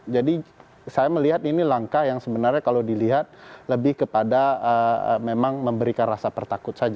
jadi saya melihat ini langkah yang sebenarnya kalau dilihat lebih kepada memang memberikan rasa pertakut saja